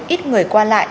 ít người qua lại